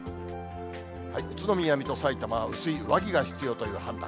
宇都宮、水戸、さいたま、薄い上着が必要という判断。